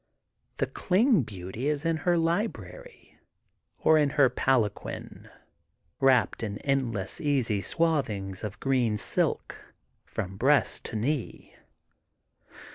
The Kling beauty is in her library or in her palanquin wrapped in end less easy swathings of green silk from breast to knee.